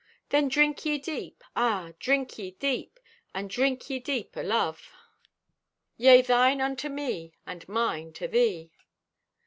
Then drink ye deep, ah, drink ye deep, And drink ye deep o' Love. "Yea, thine unto me, and mine to thee."